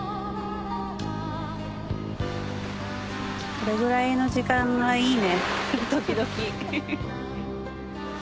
これぐらいの時間がいいね時々。